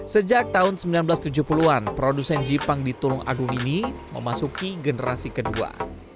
sejak tahun seribu sembilan ratus tujuh puluh an produsen jipang di tulung agung ini memasuki generasi kedua